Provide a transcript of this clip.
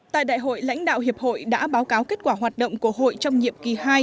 tại đại hội lãnh đạo hiệp hội đã báo cáo kết quả hoạt động của hội trong nhiệm kỳ hai